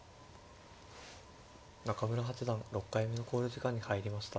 中村八段６回目の考慮時間に入りました。